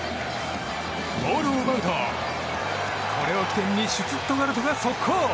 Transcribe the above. ボールを奪うと、これを起点にシュツットガルトが速攻。